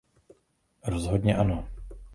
Rozhodně ano.